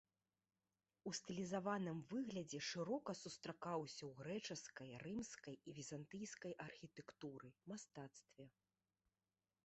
У стылізаваным выглядзе шырока сустракаўся ў грэчаскай, рымскай і візантыйскай архітэктуры, мастацтве.